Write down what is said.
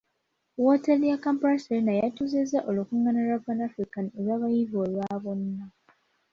Woteeri ya Kampala Serena yatuuza olukungana lwa Pan African olw'abayivu olwa bonna.